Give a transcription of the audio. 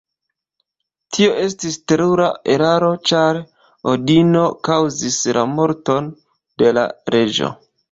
Tio estis terura eraro ĉar Odino kaŭzis la morton de la reĝo.